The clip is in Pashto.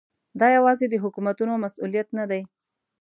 دا یوازې د حکومتونو مسؤلیت نه دی.